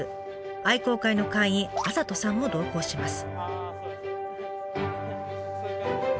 愛好会の会員麻人さんも同行します。